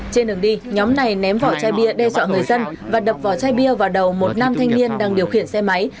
trên đường đi nhóm này ném vỏ chai bia đe dọa người dân và đập vỏ chai bia vào đầu một nam thanh niên đang điều khiển xe máy